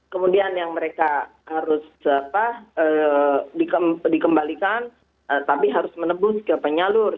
kemudian yang mereka harus dikembalikan tapi harus menebus ke penyalur